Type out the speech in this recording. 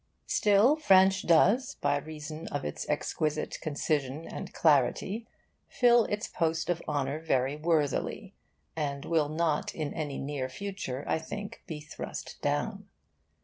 Still, French does, by reason of its exquisite concision and clarity, fill its post of honour very worthily, and will not in any near future, I think, be thrust down.